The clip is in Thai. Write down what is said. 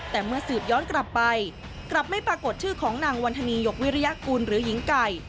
แต่เมื่อสืบย้อนกลับไปกลับไม่ปรากฏชื่อของนางวันธนียกวิริยากุลหรือหญิงไก่